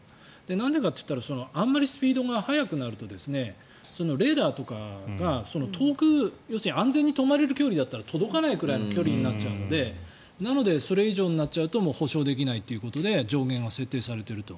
なんでかっていうとあんまりスピードが速くなるとレーダーとかが遠く要するに安全に止まれる距離ぐらいだと止まらなくなってしまうのでなので、それ以上になっちゃうと保証できないということで上限が設定されていると。